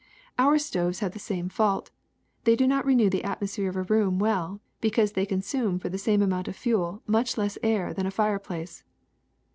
^' Our stoves have the same fault : they do not re new the atmosphere of a room well because they con sume for the same amount of fuel much less air than a fireplace.